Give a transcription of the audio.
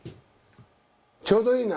ちょうどいいな。